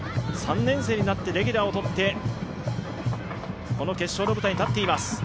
３年生になってレギュラーを取ってこの決勝の舞台に立っています。